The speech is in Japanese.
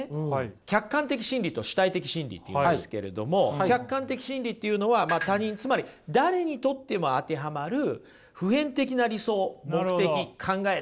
客観的真理と主体的真理っていうんですけれども客観的真理っていうのは他人つまり誰にとっても当てはまる普遍的な理想目的考えっていったものですね。